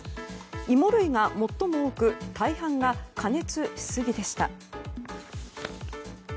イモ類が最も多く大半が加熱しすぎでした。